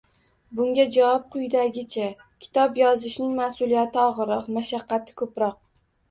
Bunga javob quyidagicha: Kitob yozishning mas’uliyati og‘irroq, mashaqqati ko‘proq.